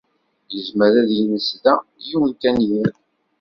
Yezmer ad yens da yiwen kan yiḍ.